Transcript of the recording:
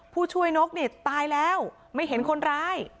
ผู้ช่วยนกนี่ตายแล้วไม่เห็นคนร้าย